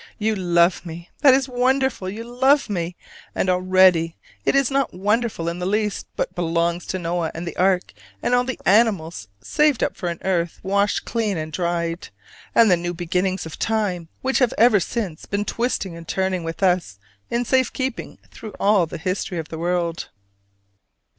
You love me: that is wonderful! You love me: and already it is not wonderful in the least! but belongs to Noah and the ark and all the animals saved up for an earth washed clean and dried, and the new beginnings of time which have ever since been twisting and turning with us in safe keeping through all the history of the world.